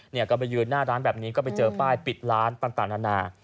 เนี่ยก็ไปยืนหน้าร้านแบบนี้ก็ไปเจอป้ายปิดร้านต่างนานา